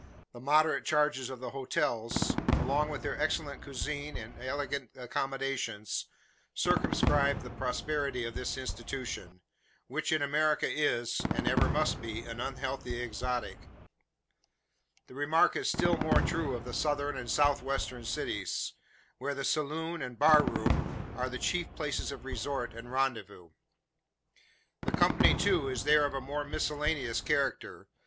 The moderate charges of the hotels, along with their excellent cuisine and elegant accommodations, circumscribe the prosperity of this institution; which in America is, and ever must be, an unhealthy exotic. The remark is still more true of the Southern and South western cities; where the "saloon" and "bar room" are the chief places of resort and rendezvous. The company, too, is there of a more miscellaneous character.